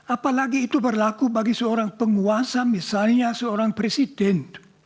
apalagi itu berlaku bagi seorang penguasa misalnya seorang presiden